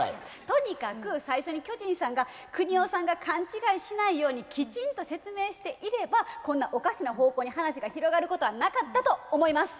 とにかく最初に巨人さんがくにおさんが勘違いしないようにきちんと説明していればこんなおかしな方向に話が広がることはなかったと思います。